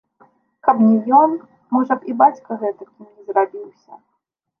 Каб не ён, можа б, і бацька гэтакім не зрабіўся.